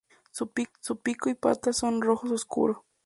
Su pico y patas son rojos oscuros.